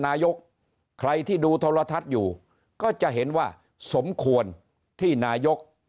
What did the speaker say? นายกใครที่ดูโทรทัศน์อยู่ก็จะเห็นว่าสมควรที่นายก